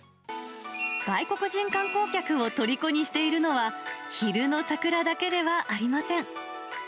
外国人観光客をとりこにしているのは、昼の桜だけではありません。